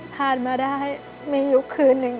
พาดมาได้มียุคคืน๑